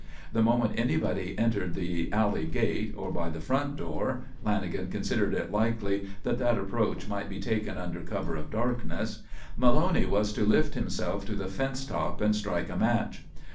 The moment anybody entered the alley gate, or by the front door Lanagan considered it likely that that approach might be taken under cover of darkness Maloney was to lift himself to the fence top and strike a match.